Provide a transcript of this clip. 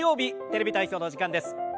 「テレビ体操」のお時間です。